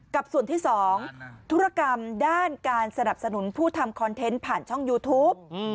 กับส่วนที่๒ธุรกรรมด้านการสนับสนุนผู้ทำคอนเทนต์ผ่านช่องยูทูป